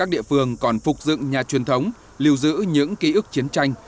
địa phương còn phục dựng nhà truyền thống liều giữ những ký ức chiến tranh